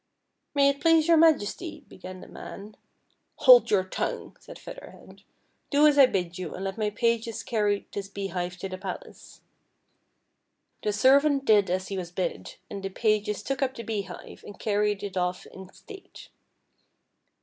" May it please your Majesty," began the man. "Hold your tongue," said Feather Head ; "do as I bid you, and let my pages carry this beehive to the palace." The servant did as he was bid, and the pages took up the beehive, and carried it off in state.